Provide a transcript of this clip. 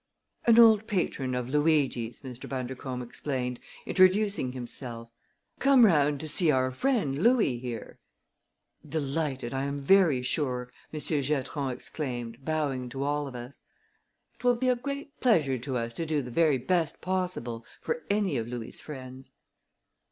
"An old patron of Luigi's," Mr. Bundercombe explained, introducing himself "come round to see our friend Louis, here." "Delighted, I am very sure!" Mr. Giatron exclaimed, bowing to all of us. "It will be a great pleasure to us to do the very best possible for any of Louis' friends."